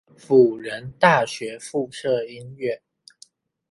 輔仁大學附設醫院